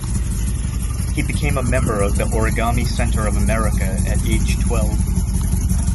He became a member of the Origami Center of America at age twelve.